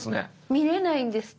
見れないんですって。